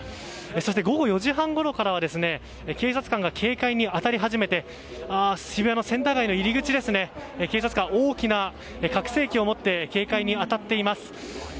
そして午後４時半ごろからは警察官が警戒に当たり始めて渋谷のセンター街の入り口ですね警察官が大きな拡声器を持って警戒に当たっています。